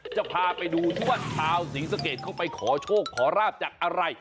จะพาไปดูที่ว่าชาวศรีสะเกดเข้าไปขอโชคขอราบจากอะไร